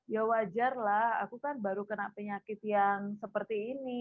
ya wajar lah aku kan baru kena penyakit yang seperti ini